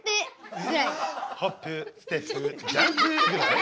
「ホップステップジャンプ！」ぐらい？